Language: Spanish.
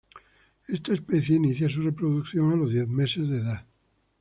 Esta especie inicia su reproducción a los diez meses de edad.